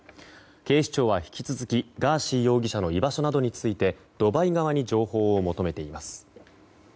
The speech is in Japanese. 警視庁は引き続きガーシー容疑者の居場所などについてドバイ側に情報を求めています。